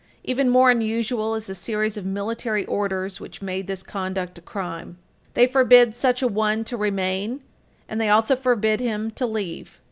Even more unusual is the series of military orders which made this conduct a crime. They forbid such a one to remain, and they also forbid him to leave.